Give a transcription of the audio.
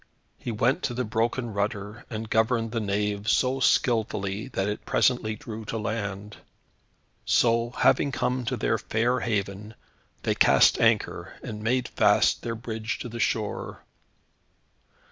He went to the broken rudder, and governed the nave so skilfully, that it presently drew to land. So, having come to their fair haven, they cast anchor, and made fast their bridge to the shore.